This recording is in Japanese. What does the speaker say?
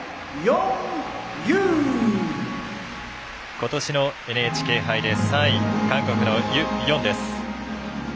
ことしのＮＨＫ杯で３位韓国のユ・ヨンです。